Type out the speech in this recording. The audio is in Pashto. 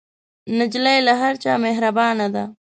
نجلۍ له هر چا مهربانه ده.